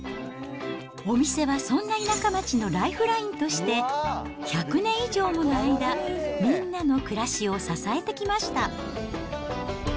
お店はそんな田舎町のライフラインとして１００年以上もの間、みんなの暮らしを支えてきました。